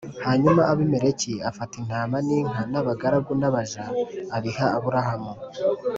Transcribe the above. Hanyuma abimeleki afata intama n inka n abagaragu n abaja abiha aburahamu